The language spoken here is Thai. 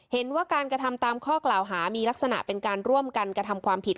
เห็นว่าการกระทำตามข้อกล่าวหามีลักษณะเป็นการร่วมกันกระทำความผิด